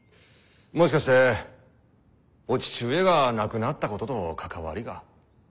もしかしてお父上が亡くなったことと関わりが？